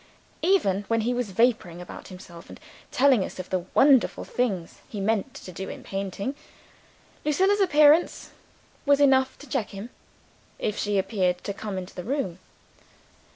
Even when he was vaporing about himself, and telling us of the wonderful things he meant to do in Painting, Lucilla's appearance was enough to check him, if she happened to come into the room.